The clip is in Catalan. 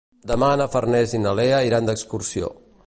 Demà na Farners i na Lea iran d'excursió.